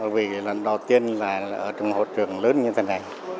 vì lần đầu tiên là ở trong hội trường lớn như thế này